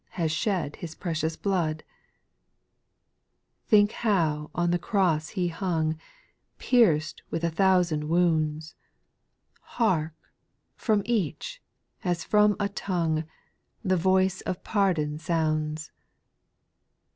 Has shed His precious blood ? 8. Think how on the cross He hung, Pierced with a thousands wounds. SPIRITUA L SONGS. 261 Hark ! from each, as from a tongue, The voice of pardon sounds.